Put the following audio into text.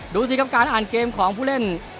ดูสิครับการอ่านเกมของผู้เล่น